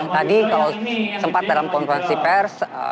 tadi kalau sempat dalam konferensi pers